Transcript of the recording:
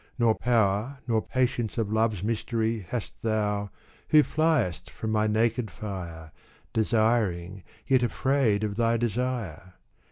Nor power, nor patience of Love's mystery '' Hast thou, who fliest from my naked fire. Desiring, yet afraid of thy Desire